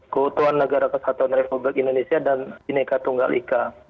keutuhan negara kesatuan republik indonesia dan sineka tunggal ika